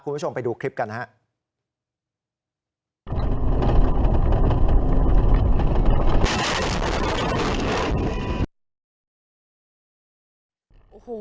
คุณผู้ชมไปดูคลิปกันนะครับ